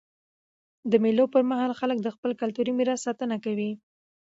د مېلو پر مهال خلک د خپل کلتوري میراث ساتنه کوي.